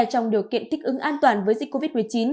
trong điều kiện thích ứng an toàn với dịch covid một mươi chín